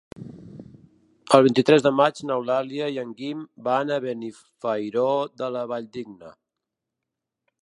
El vint-i-tres de maig n'Eulàlia i en Guim van a Benifairó de la Valldigna.